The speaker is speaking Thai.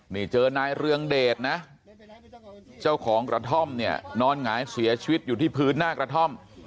นี่เจอนายเรืองเดชนะเจ้าของกระท่อมเนี่ยนอนหงายเสียชีวิตอยู่ที่พื้นหน้ากระท่อม